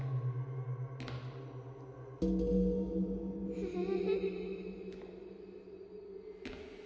・フフフフ。